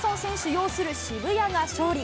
擁する渋谷が勝利。